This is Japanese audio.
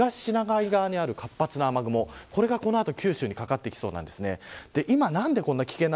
特に東シナ海側にある活発な雨雲、これが九州にかかってきそうです。